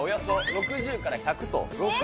６０から１００？